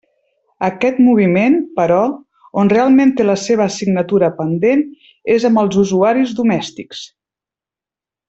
Aquest moviment, però, on realment té la seva assignatura pendent és amb els usuaris domèstics.